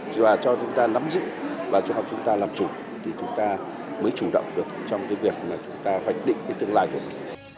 và cho chúng ta nắm giữ và cho chúng ta làm chủ thì chúng ta mới chủ động được trong cái việc là chúng ta hoạch định cái tương lai của mình